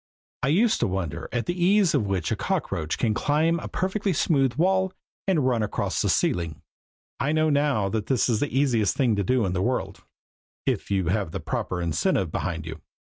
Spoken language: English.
I used to wonder at the ease with which a cockroach can climb a perfectly smooth wall and run across the ceiling. I know now that to do this is the easiest thing in the world if you have the proper incentive behind you.